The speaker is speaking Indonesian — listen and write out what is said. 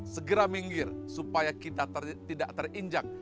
segera minggir supaya kita tidak terinjak